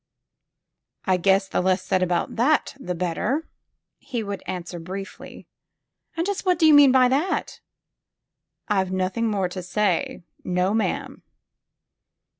I guess the less said about that the better," he would answer briefly. And just what do you mean by that?" I've nothing more to say. No, ma'am."